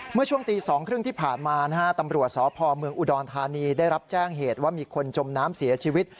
เมื่อช่วงตี๒๓๐ที่ผ่านมานะฮะตำรวจสพเมืองอุดรธานีได้รับแจ้งเหตุว่ามีคนจมน้ำเสียชีวิต